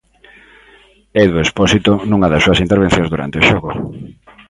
Edu Expósito, nunha das súas intervencións durante o xogo.